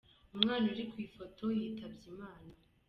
Umwana uri ku ifoto yitabye Imana.